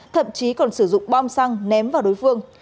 thậm chí còn sử dụng bom xăng ném vào đối phương